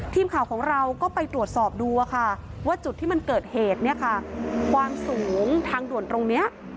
ทีมข่าวของเราก็ไปตรวจสอบดูค่ะว่าจุดที่มันเกิดเหตุเนี่ยค่ะความสูงทางด่วนตรงนี้